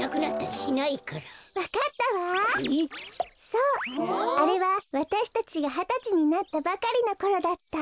そうあれはわたしたちがはたちになったばかりのころだった。